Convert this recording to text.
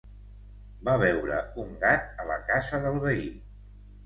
Va veure un gat a la casa del veí.